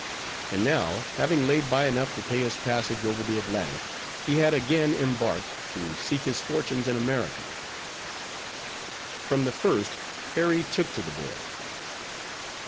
And now, having laid by enough to pay his passage over the Atlantic, he had again embarked, to seek his fortunes in America. From the first, Harry took to the boy.